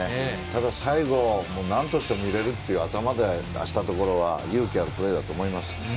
ただ、最後なんとしても入れるという頭で、出したところは勇気あるプレーだと思います。